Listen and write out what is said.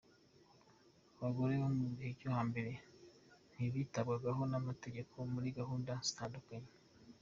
Abagore mu gihe cyo ha mbere ntibitabwagaho n’amategeko muri gahunda zitandukanye.